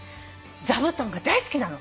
座布団が大好きなの。